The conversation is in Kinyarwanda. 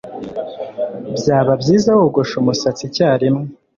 Byaba byiza wogoshe umusatsi icyarimwe.